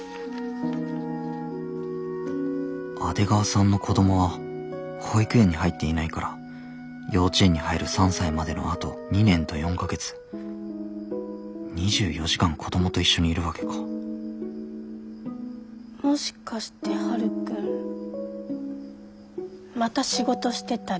阿出川さんの子供は保育園に入っていないから幼稚園に入る３歳までのあと２年と４か月２４時間子供と一緒にいるわけかもしかしてはるくんまた仕事してたりする？